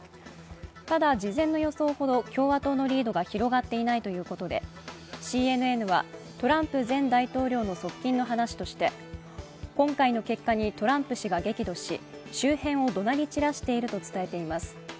ただ、事前の予想ほど共和党のリードが広がっていないということで、ＣＮＮは、トランプ前大統領の側近の話として、今回の結果にトランプ氏が激怒し、周辺をどなり散らしていると伝えています。